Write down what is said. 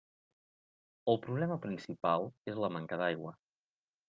El problema principal és la manca d'aigua.